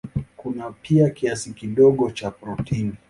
Kuna pia kiasi kidogo cha protini.